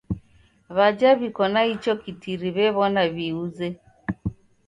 W'aja w'iko na icho kitiri w'ew'ona w'iuze.